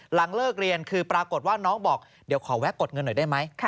หลังเลิกเรียนคือปรากฏว่าน้องบอกเดี๋ยวขอแวะกดเงินหน่อยได้ไหม